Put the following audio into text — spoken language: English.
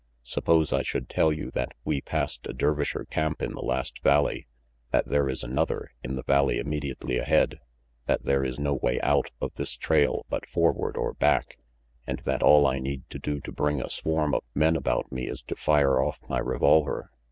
Sup pose I should tell you that we passed a Dervisher camp in the last valley, that there is another in the valley immediately ahead, that there is no way out of this trail but forward or back, and that all I need to do to bring a swarm of men about me is to fire off my revolver.